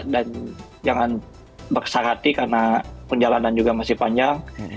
dan jangan bersarati karena penjalanan juga masih panjang